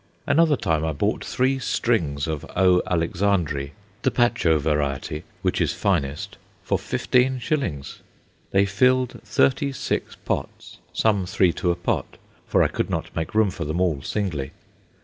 Another time I bought three "strings" of O. Alexandræ, the Pacho variety, which is finest, for 15s. They filled thirty six pots, some three to a pot, for I could not make room for them all singly.